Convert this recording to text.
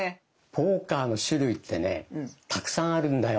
ポーカーの種類ってねたくさんあるんだよ。